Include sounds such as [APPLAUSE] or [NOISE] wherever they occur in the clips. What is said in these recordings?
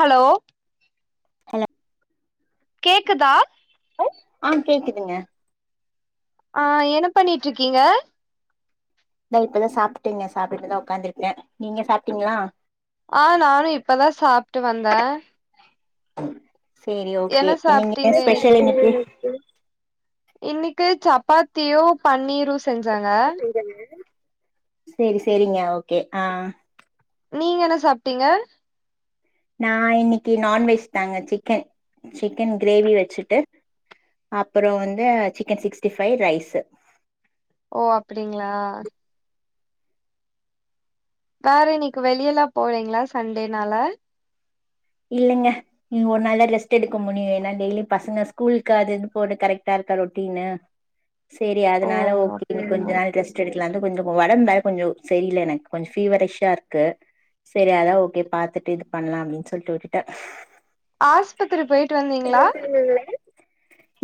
hello கேக்குதா ஆ கேக்குதுங்க ஆ என்ன பண்ணிட்ருக்கீங்க இதோ இப்பதா சாப்ட்டேங்க சாப்டுட்டுதா உக்காந்திர்க்கே நீங்க சாப்ட்டீங்ளா ஆ நானு இப்பதா சாப்ட்டு வந்த சேரி ஓகே என்ன என்னங் என்ன சாப்ட்டீங்க ஸ்பெஷல் இன்னிக்கி இன்னிக்கு சப்பாத்தியு பன்னீரு செஞ்சாங்க செரி சேரிங்க ஓகே ஆ நீங்க என்ன சாப்டீங்க நா இன்னக்கி நான்வெஜ்தாங்க சிக்கன் சிக்கன் கிரேவி வச்சுட்டு அப்புறோ வந்து சிக்கன் சிக்ஸ்டி ஃபை ரைஸு ஓ அப்டிங்ளா வேற இன்னைக்கு வெளியலா போறேங்ளா சண்டேனால இல்லங்க இன் ஒரு நாள்தா ரெஸ்ட் எடுக்க முனியு ஏனா டெய்லி பசுங்க ஸ்கூல்க்கு அதுஇதுன்னு போக கரெக்ட்டா இருக்கா ரொட்டீன்னு [INAUDIBLE] சேரி ஓ அதுனால ஓகே இன்னு கொஞ்ச அப்டிங்களா நேரகாஸ் ரெஸ்ட் எடுக்குலான்ட்டு கொஞ்சோ போ ஒடம்ப்வேற கொஞ்சோ சரியில்ல எனக் கொஞ் ஃபீவரிஷ்ஷா இருக்கு சரி அதா ஓகே பாத்துட்டு இது பண்லா அப்டின் சொல்ட்டு உட்டுட்ட ஆஸ்பத்திரி போய் [UNINTELLIGIBLE]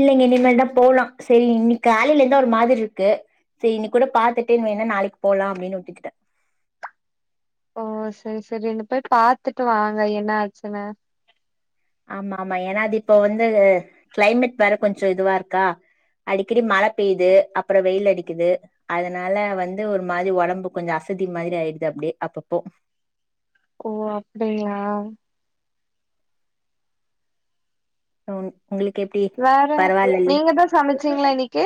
இல்லேங்க இனிமே தா போலாம் சரி இன்னைக்கு காலில இருந்துஒரு மாதிரி இருக்கு சரி இன்னைக் கூட பாத்துட்டு வேனா நாளைக்கு போலா அப்படின்னு ஒத்துக்கிட்டே ஓ சேரி சேரி இனி போய் பாத்துட்டு வாங்க என்ன ஆச்சுன்னு ஆமா ஆமா ஏன்னா அது இப்ப வந்து கிளைமேட் வேற கொஞ்சோ இதுவா இருக்கா அடிக்கடி மழை பெய்யுது அப்புறோ வெயில் அடிக்குது அதுனால வந்து ஒரு மாதிரி உடம்பு கொஞ்சோ அசதி மாதிரி ஆயிடுது அப்டியே அப்பப்போ ஓ அப்படியா உங்களுக்கு எப்படி வேற நீங்க தா சமைச்சீங்களா இன்னைக்கு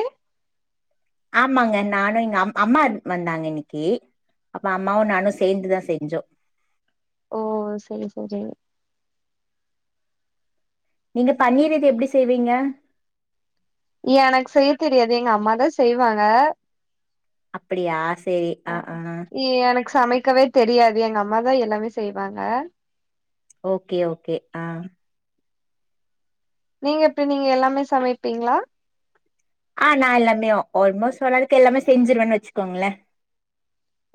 ஆமாங்க நானு எங்க அம் அம்மா வந்தாங்க இன்னிக்கு அப்ப அம்மாவு நானு சேர்ந்து தா செஞ்சோ ஓ சேரி சேரி நீங்க பன்னீர் இது எப்டி செய்வீங்க எனக்கு செய்ய தெரியாது எங்க அம்மாதா செய்வாங்க அப்படியா சேரி அ ஆ எனக்கு சமைக்கவே தெரியாது எங்க அம்மாதா எல்லாமே செய்வாங்க ஓகே ஓகே ஆ நீங்க எப்டி நீங்க எல்லாமே சமைப்பீங்ளா ஆ நா எல்லாருமேவு ஒண்ணுமே சொல்லாததுக்கு எல்லாமே செஞ்சிருவேன்னு வச்சுக்கோங்களே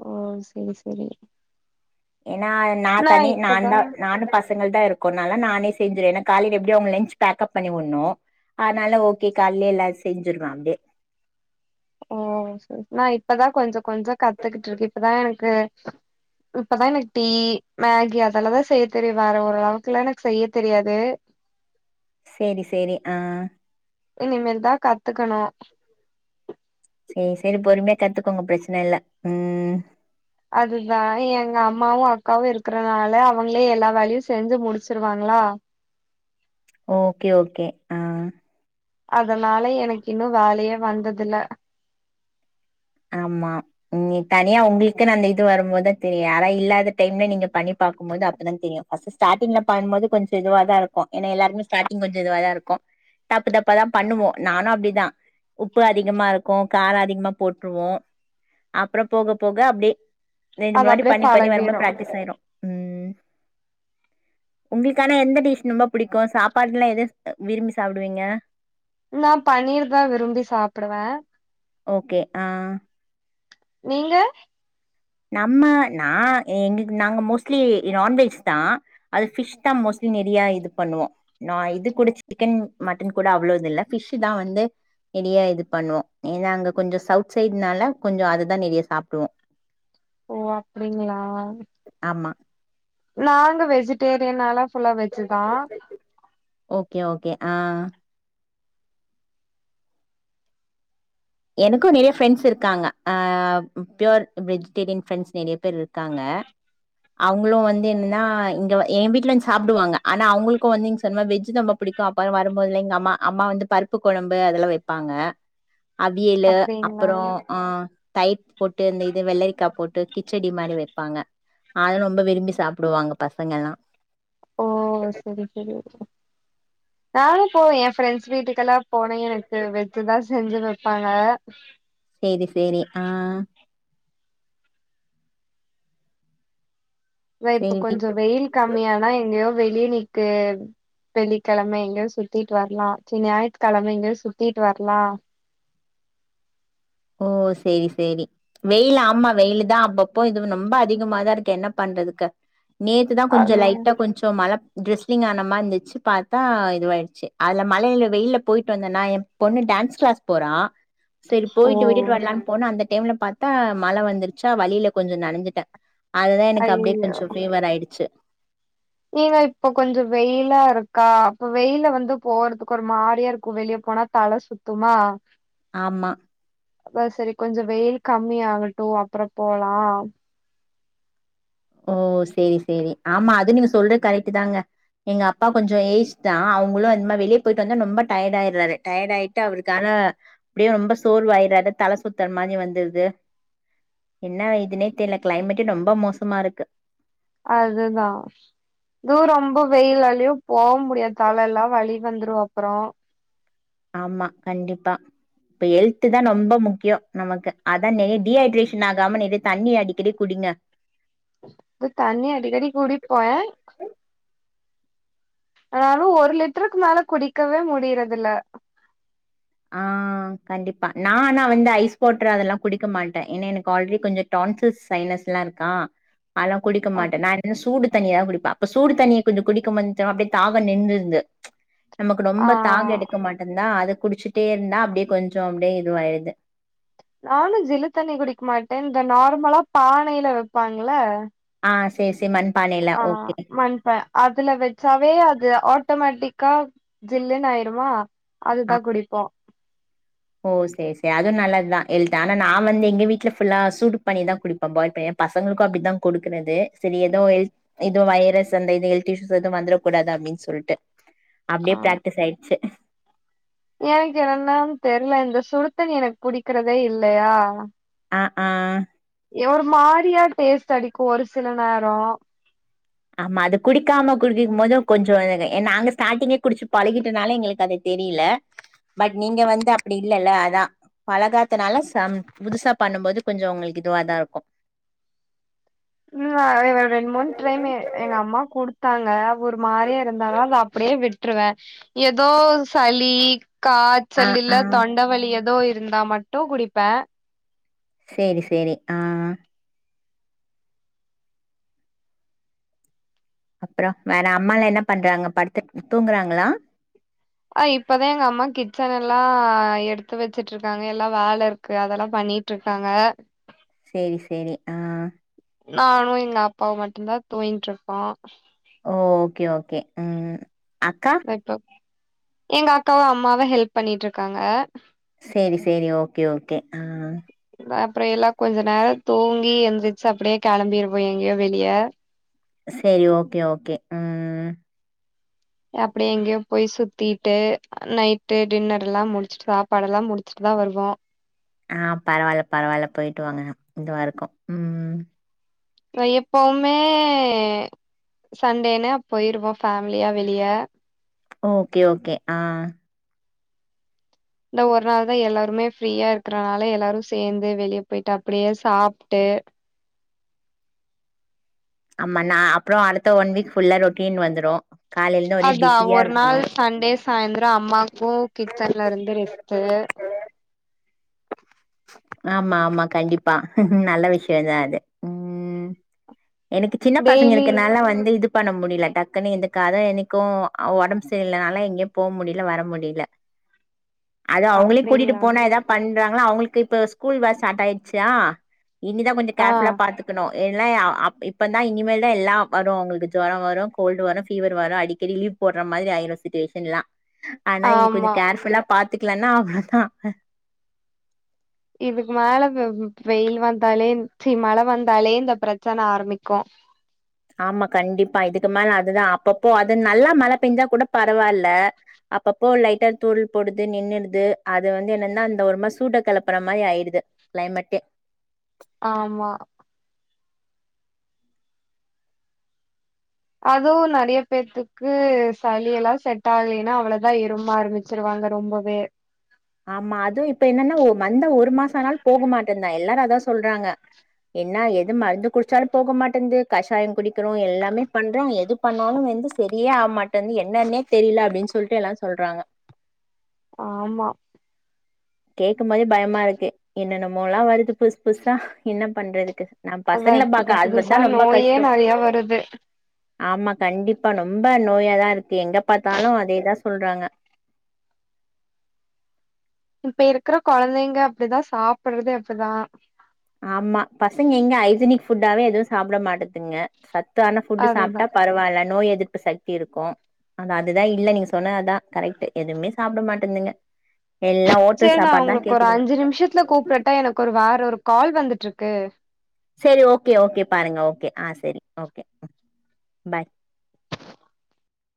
ஓ செரி செரி ஏனா நா தனி நான்தா நானு பச பசங்களு தா இருக்கோனால நானே செஞ்சிருவ ஏன்ன காலை எப்படியோ அவுங்க லன்ச் பேக் அப் பண்ணி உடணு அதுனால ஓகே கால்லயே எல்லா செஞ்சுருவா அப்டியே ஓ நா இப்பதா கொஞ்சோ கொஞ்சோ கத்துக்குட்டு இருக்கே இப்பதா எனக்கு இப்பதா எனக்கு டீ மேகி அதெல்லதா செய்ய தெரியு வேற ஓரளவுக்குலா எனக்கு செய்ய தெரியாது சேரி சேரி ஆ இனிமேல் தா கத்துக்கணு சேரி சேரி பொறுமையா கத்துக்கோங்க பிரச்சன இல்ல உ அதுதா எங்க அம்மாவு அக்காவு இருக்குறனால அவுங்களே எல்லா வேலையு செஞ்சு முடிச்சிருவாங்களா ஓகே ஓகே ஆ அதுனால எனக்கு இன்னு வேலையே வந்ததுல ஆமா உ தனியா உங்களுக்கு அந்த இது வரும்போதுதா தெரியு யாரா இல்லாத டைம்ல நீங்க பண்ணி பாக்கு போது அப்பதா தெரியு பஸ்ட் ஸ்டாட்டிங்ல பண்ணுபோது கொஞ்சோ இதுவ தா இருக்கு ஏனா எல்லாரும ஸ்டாட்டிங்கொஞ்சோஇதுவா இருக்கு தப்பு தப்பா தா பண்ணுவோ நானு அப்படிதா உப்பு அதிகமா இருக்கு காரோ அதிகமா போட்ருவோ அப்றோ போக போக அப்டியே ரெண்டு அது மூனாட்டி அப்டியே பன்னி பன்னி வருபோது பழகிடு பிராக்டிஸ் ஆயிரு உங்களுக்கான எந்த டிஷ் நொம்ப புடிக்கு சாப்பாட்டுல என்ன அ விரும்பி சாப்பிடுவீங்க நா பன்னீர் தா விரும்பி சாப்பிடுவே ஓகே ஆ நீங்க நம்ம நா எங்குக்கு நாங்க மோஸ்ட்லி நான்வெஜ் தா அது ஃபிஷ் தா மோஸ்ட்லி நெறைய இது பண்ணுவோ நா இது குடிச்சு சிக்கன் மட்டன் கூட அவளோது இல்ல ஃபிஷ்சு தா வந்து நெடியா இது பண்ணுவோ ஏன்னா அங்க கொஞ்ச சவுத் சைட்னால கொஞ்ச அது தா நெறைய சாப்டுவோ ஓ அப்டிங்களா ஆமா நாங்க வெஜிடேரியனாலா ஃபுல்லா வெஜு தா ஓகே ஓகே ஆ எனக்கு நெறைய ஃப்ரெண்ட்ஸ் இருக்காங்க ஆ பியூர் வெஜிடேரியன் ஃப்ரெண்ட்ஸ் நெறைய பேர் ருக்காங்க அவுங்களு வந்து என்னானா இங்கவ ஏ வீட்ல வந் சாப்டுவாங்க ஆனா அவுங்களுக்கு வந்துங் நீங் சொன்ன மாரி வெஜ் ரொம்ப புடிக்கும் கா அப்றம் வரும்போதுல்லங் எங்க அம்மா அம்மா வந்து பருப்பு கொழம்பு அதெல்லா வெப்பாங்க அவியலு அப்டிங்களா அப்ரோ ஆ தயிர் போட்டு இந்த இது வெள்ளரிக்கா போட்டு கிச்சடி மாரி வெப்பாங்க அது ரொம்ப விரும்பி சாப்டுவாங்க பசங்கல்லா ஓ செரி செரி நானு போவே என் ஃப்ரெண்ட்ஸ் வீட்டுக்கெல்லா போனே எனக்கு வெஜ் தா செஞ்சு வெப்பாங்க சேரி சேரி ஆ த இப்ப சேரி கொஞ்ச வெயில் கம்மியானா எங்கயோ வெளிய நிக்கு வெள்ளிக்கெழம எங்கயு சுத்திட்டு வர்லா சே ஞாயித்துக்கெழம எங்கயு சுத்திட்டு வர்லா ஓ சேரி சேரி வெயில் ஆமா வெயிலு தா அப்பப்போ இதுவு நொம்ப அதிகமாதா இருக்கு என்ன பண்றதுக்கு நேத்து தான் அது கொஞ்சம் லைட்டா கொஞ் சோ மழ ட்ரெஸ்லிங் ஆன மாறி இருந்துச்சு பாத்தா இதுவாயிடுச்சு அதுல மழையில வெயில போயிட்டு வந்தனா எப் பொண்ணு டான்ஸ் கிளாஸ் போறா செரி ஓ போயிட்டு விட்டுட்டு வரலானு போனா அந்த டைம்ல பாத்தா மழ வந்துருச்சா வழியில கொஞ்சம் நனைஞ்சுட்டேன் அதுதான் எனக்கு அப்டியே ஐயோ கொஞ்சம் ஃபீவர் ஆயிடுச்சு [UNINTELLIGIBLE] இப்ப கொஞ்சம் வெயிலா இருக்கா அப்ப வெயில வந்து போறதுக்கு ஒரு மாரியா இருக்கும் வெளியே போனா தல சுத்துமா ஆமா அப்ப செரி கொஞ்சம் வெயில் கம்மியாகட்டும் அப்றம் போலாம் ஓ செரி செரி ஆமா அதுவும் நீங்க சொல்றது கரெக்ட் தாங்க எங்க அப்பா கொஞ்சம் ஏஜ் தான் அவங்களும் அந்த மாறி வெளிய போயிட்டு வந்தா ரொம்ப டயர்ட் ஆயிறாரு டயர்ட் ஆயிட்டு அவருக்காக அப்டியே ரொம்ப சோர்வாயிறாறு தல சுத்தற மாரி வந்துறுது என்ன இதுனே தெரில கிளைமேட்டே ரொம்ப மோசமா இருக்கு அதுதான் தூ ரொம்ப வெயிலாலயும் போவ முடியாது தலல்லா வழி வந்துடும் அப்ரோ ஆமா கண்டிப்பா இப்ப ஹெல்து தா நொம்ப முக்கியோ நமக்கு அதா நெறைய டீஹைட்ரேஷன் ஆகாம நெறைய தண்ணி அடிக்கடி குடிங்க உ தண்ணி அடிக்கடி கூடிப்பே ஆனாலும் ஒரு லிட்டருக்கு மேல குடிக்கவே முடியறதுல ஆ கண்டிப்பா நான் ஆனா வந்து ஐஸ் வாட்று அதெல்லா குடிக்க மாட்டே ஏன்னா எனக்கு ஆல்ரெடி கொஞ்ச டான்சஸ் சைனஸ் எல்லா இருக்கா அதெல்லா குடிக்க அப் மாட்டே நா என்ன சூடு தண்ணியா குடிப்பே அப்ப சூடு தண்ணிய கொஞ்சம் குடிக்கும் முந்து அப்டியே தாகம் நின்றுருந்து நமக்கு ஆ ரொம்ப தாகம் எடுக்க மாட்டேந்தா அத குடிச்சுட்டே இருந்தா அப்டியே கொஞ்சம் அப்டியே இதுவாயிடுது நானும் ஜில்லு தண்ணி குடிக்க மாட்டேன் இந்த நார்மலா பானையில வெப்பாங்கல்ல ஆ செரி செரி ம ஆ மண்பா அதுல வச்சாவே அது ஆட்டோமேட்டிக்கா ஜில்லுன்னு ஆய்டுமா ஆ அதுதா குடிப்போ ஓ செரி செரி அது நல்லதுதா ஹெல்த் ஆனா நா வந்து எங்க வீட்ல ஃபுல்லா சூடு பண்ணிதா குடுப்போ பாய்ல் பண்ணி பசங்களுக்கு அப்டித்தா குடுக்குறது சரி ஏதோ ஹெல்த் இதுவு வைரஸ் அந்த ஹெல்த் இஸ்யூ எதுவும் வந்தறக்கூடாது அப்டின் சொல்ட்டு அப்டியே ஆ பிராக்டிஸ் ஆயிச்சு எனக்கு என்னன்ன தெர்ல இந்த சுடுதண்ணி எனக்கு புடிக்கிறதே இல்லையா ஆ ஆ ஒரு மாதிரியா டேஸ்ட் அடிக்கு ஒரு சில நேரோ ஆமா அது குடிக்காம குடிக்கும் போது கொஞ்சோ இது நாங்க ஸ்டார்ட்டிங்கே குடிச்சு பழகிட்டனால எங்களுக்கு அது தெரியல பட் நீங்க வந்து அப்டி இல்லல்ல அதா பழகாதனால ச புதுசா பண்ணும்போது கொஞ்சோ உங்களுக்கு இதுவாதா இருக்கு அ ரெண்டு மூணு டைம் எங்க அம்மா குடுத்தாங்க ஒரு மாரியா இருந்தாலு அத அப்டியே விட்ருவே ஏதோ சளி கா ஆ காய்ச்சல் ஆ இல்ல‌ தொண்டை வலி எதோ இருந்தா மட்டூ குடிப்பே சேரி சேரி ஆ அப்புறம் வேற அம்மால என்ன பண்றாங்க படுத்துட்டு தூங்குறாங்களா ஆ இப்பதா எங்கம்மா கிச்சன் எல்லா எடுத்து வச்சுட்டு இருக்காங்க எல்லா வேலை இருக்கு க்கு அதெல்லா பண்ணிட்டு இருக்காங்க செரி செரி ஆ நானு எங்க அப்பாவும் மட்டுந்தா தூங்கிட்ருக்கோ ஓ ஓகே ஓகே உம் அக்கா இப்போ எங்க அக்காவு அம்மாவு ஹெல்ப் பண்ணிட்ருக்காங்க சேரி சேரி ஓகே ஓகே உம் [UNINTELLIGIBLE] அப்புற எல்லா கொஞ்சோ நேரோ தூங்கி எந்திரிச்சு அப்டியே கிளம்பிருவோ எங்கேயோ வெளியே செரி ஓகே ஓகே உம் அப்டியே எங்கேயோ போய் சுத்திட்டு நைட்டு டின்னர் எல்லா முடிச்ட்டு சாப்பாடு எல்லா முடிச்சுட்டு தா வருவோ ஆ பரவால்ல பரவால்ல போயிட்டு வாங்க இதுவா இருக்கு உம் நா எப்பவுமே சண்டேனா போயிருவோ ஃபேமிலியா வெளிய ஓகே ஓகே ஆ இந்த ஒரு நாள் தா எல்லாருமே ஃப்ரீயா இருக்கறனால எல்லாரு சேர்ந்து வெளியே போயிட்டு அப்டியே சாப்ட்டு ஆமா நா அப்றோ அடுத்த ஒன் வீக் ஃபுல்லா ரொட்டின் வந்துரூ அதா ஒரு நாள் சண்டேஸ் சாயிந்தரோ அம்மாக்கு கிச்சன்ல இருந்து ரெஸ்ட்டு ஆமா ஆமா கண்டிப்பா நல்ல விஷய தா அது ம் எனக்கு சின்ன பசங்க டெய்லி இருக்கறனால வந்து இது பண்ண முடியல டக்குனு எதுக்காது என்னைக்கு உடம்பு சரி இல்லனால எங்கேயும் போக முடியல வர முடியல அது அவுங்களையு கூட்டிட்டு அப்டிங்களா போனா ஏதா பண்றாங்களா அவுங்களுக்கு இப்ப ஸ்கூல் வேற ஸ்டார்ட் ஆயிடுச்சா இனிதா கொஞ்சோ ஆ கேர்ஃபுல்லா பாத்துக்கனு இல்லனா அப் இப்ப தா இனிமேல் தா எல்லாம் வரும் உங்களுக்கு ஜொரோ வரும் கோல்டு வரும் ஃபீவர் வரும் அடிக்கடி லீவ் போட்ற மாதிரி ஆய்டும் சிச்சுவேஷன்லா ஆனா இது கொஞ்சோ ஆமா கேர்ஃபுல்லா பாத்துக்கலனா அதா இதுக்கு மேல வெ வெயில் வந்தாலே சி மழ வந்தாலே இந்த பிரச்சன ஆரம்பிக்கு ஆமா கண்டிப்பா இதுக்கு மேல அதுதா அப்பப்போ அது நல்லா மழ பெஞ்சா கூட பரவால்ல அப்பப்போ லைட்டா தூறள் போடுது நின்னுறுது அது வந்து என்னென்ன அந்த ஒருமாரி சூட கெலப்புற மாரி ஆயிடுது கிளைமெட்டே ஆமா அதுவு நெறைய பேத்துக்கு சளி எல்லா செட் ஆகலேன்னா அவ்வளோதா இரும்ப ஆரம்பிச் சிருவாங்க ரொம்பவே ஆமா அது இப்ப என்னென்னா ஒ வந்த ஒரு மாச ஆனாலு போகுமாட்டன்தே எல்லாரு அதா சொல்றாங்க என்ன எது மருந்து குடிச்சாலு போக மாட்டேன்து கஷாயோ குடிக்கிறோ எல்லாமே பண்றோ எது பண்ணாலு வந்து செரியே ஆக மாட்டேந்து என்னென்னே தெரியல அப்டின் சொல்லிட்டு எல்லா சொல்றாங்க ஆமா கேக்கும் போதே பயமா இருக்கு என்னென்னமோல்லா வருது புதுசு புதுசா என்ன பண்றதுக்கு நம் அதா பசங்கள புது பாக்க ஆள் வந்தா புதுசா ரொம்ப நோயே கஷ்டோ நெறைய வருது ஆமா கண்டிப்பா நொம்ப நோயாதா இருக்கு எங்க பாத்தாலு அதேதா சொல்றாங்க இப்ப இருக்கற கொழந்தைங்க அப்டிதா சாப்புட்றதே அப்டிதா ஆமா பசங்க எங்க ஹைஜினிக் ஃபுட்டாவே எதுவு சாப்ட மாட்டதுங்க சத்தான ஃபுட் அதுதா சாப்ட்டா பரவால நோய் எதிர்ப்பு சக் தி இருக்கு அந்த அதுதா இல்ல நீங்க சொன்ன அதா கரெக்ட்டு எதுவுமே சாப்ட மாட்டந்துங்க எல்லா ஒ சேர் நா உங்களுக்கு ஒரு அஞ்சு நிமிஷத்துல கூப்பிடட்டா எனக்கு ஒரு வேற ஒரு கால் வந்துட்டுருக்கு செரி ஓகே ஓகே பாருங்க ஓகே ஆ செரி ஓகே ம் பாய்